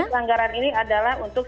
pelanggaran ini adalah untuk